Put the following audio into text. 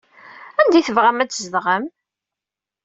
Anda ay tebɣam ad tzedɣem?